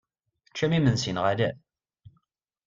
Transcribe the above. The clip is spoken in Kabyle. Teččam imensi neɣ ala?